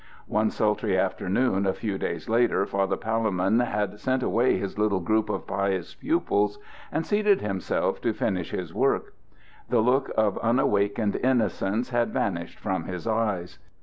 One sultry afternoon, a few days later, Father Palemon had sent away his little group of pious pupils, and seated himself to finish his work. The look of unawakened innocence had vanished from his eyes.